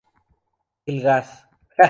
El gas.